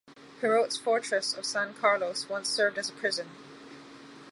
Perote's fortress of San Carlos once served as a prison.